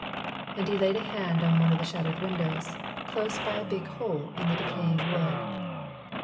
And he laid a hand on one of the shattered windows, close by a big hole in the decaying wood.